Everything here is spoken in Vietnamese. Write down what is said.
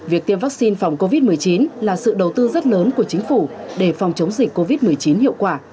việc tiêm vaccine phòng covid một mươi chín là sự đầu tư rất lớn của chính phủ để phòng chống dịch covid một mươi chín hiệu quả